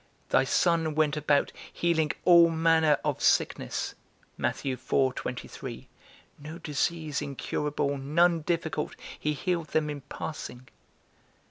Thy Son went about healing all manner of sickness. (No disease incurable, none difficult; he healed them in passing).